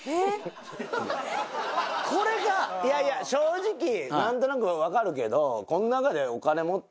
いやいや正直何となく分かるけど。